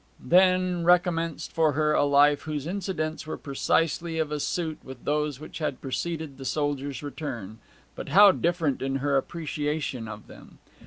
Then recommenced for her a life whose incidents were precisely of a suit with those which had preceded the soldier's return; but how different in her appreciation of them!